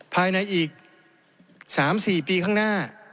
ภายในอีก๓๔ปีข้างหน้า